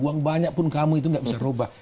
uang banyak pun kamu itu nggak bisa robah